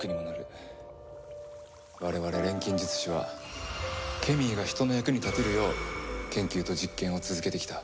我々錬金術師はケミーが人の役に立てるよう研究と実験を続けてきた。